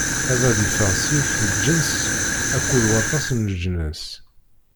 Ad d-iffeɣ seg-k lǧens akked waṭas n leǧnas.